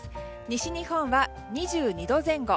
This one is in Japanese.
西日本は２２度前後。